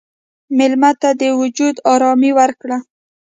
مېلمه ته د وجود ارامي ورکړه.